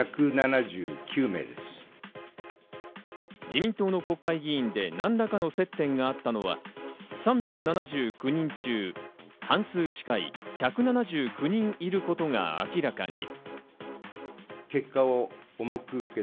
自民党の国会議員で何らかの接点があったのは３７９人中、半数近い１７９人いることが明らかに。